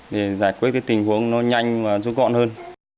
để giải quyết cái tình huống nó nhanh và rút gọn hơn